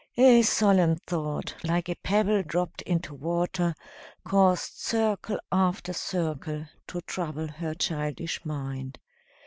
A solemn thought, like a pebble dropped into water, caused circle after circle to trouble her childish mind.